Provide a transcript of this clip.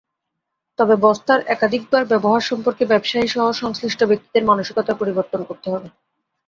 তবে বস্তার একাধিকবার ব্যবহার সম্পর্কে ব্যবসায়ীসহ সংশ্লিষ্ট ব্যক্তিদের মানসিকতার পরিবর্তন করতে হবে।